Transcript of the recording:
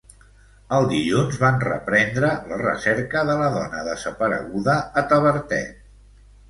El dilluns van reprendre la recerca de la dona desapareguda a Tavertet.